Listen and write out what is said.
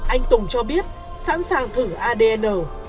anh tùng cho biết sẵn sàng thử adn